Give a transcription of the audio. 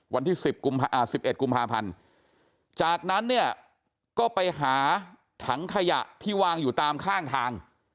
วันที่๑๑กุมภาพันธ์จากนั้นเนี่ยก็ไปหาถังขยะที่วางอยู่ตามข้างทาง